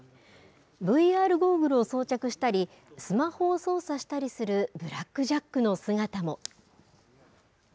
ＶＲゴーグルを装着したり、スマホを操作したりするブラック・ジャックの姿も。